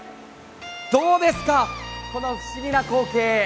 どうですか、この不思議な光景。